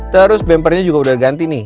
terus bumpernya juga udah diganti nih